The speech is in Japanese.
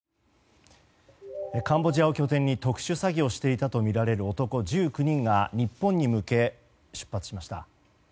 カンボジアを拠点に特殊詐欺をしていたとみられる男１９人が日本に向け出発しました。